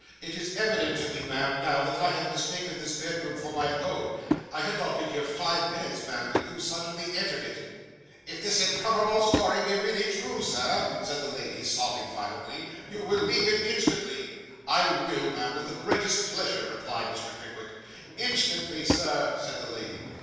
It is evident to me, ma'am, now, that I have mistaken this bedroom for my own. I had not been here five minutes, ma'am, when you suddenly entered it.' 'If this improbable story be really true, Sir,' said the lady, sobbing violently, 'you will leave it instantly.' 'I will, ma'am, with the greatest pleasure,' replied Mr. Pickwick. 'Instantly, sir,' said the lady.